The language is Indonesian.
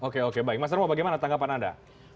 oke oke baik mas terrwo bagaimana tanggapan anda